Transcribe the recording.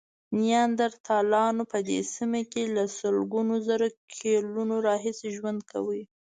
نیاندرتالانو په دې سیمه کې له سلګونو زره کلونو راهیسې ژوند کاوه.